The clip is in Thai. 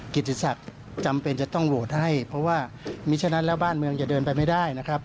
กิจศักดิ์จำเป็นจะต้องโหวตให้เพราะว่ามีฉะนั้นแล้วบ้านเมืองจะเดินไปไม่ได้นะครับ